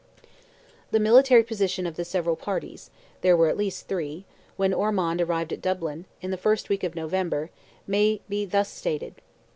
The military position of the several parties—there were at least three—when Ormond arrived at Dublin, in the first week of November, may be thus stated: I.